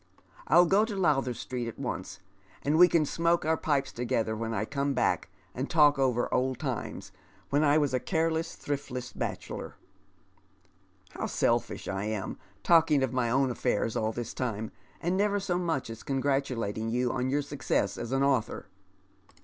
I'll go to Lowther Street at once, and we can smoke our pipes together when I come back, and t<^lk over old times, v.uon I was a careless, tlii iftless bachelor. Uow selfish I am, Th^ Wanderer's jRetwm. 115 talking of my own affairs all this time, arid never so much aa congratulating you on your success as an author